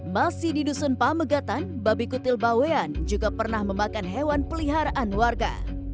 masih di dusun pamegatan babi kutil bawean juga pernah memakan hewan peliharaan warga